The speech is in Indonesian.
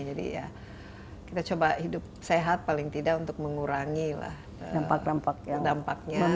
jadi ya kita coba hidup sehat paling tidak untuk mengurangi lah dampak dampaknya